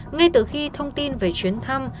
ngay từ khi thông tin về chuyến thăm